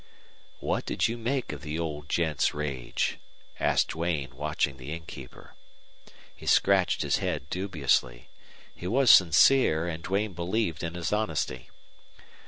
"What did you make of the old gent's rage?" asked Duane, watching the innkeeper. He scratched his head dubiously. He was sincere, and Duane believed in his honesty.